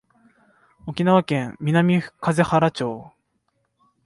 沖縄県南風原町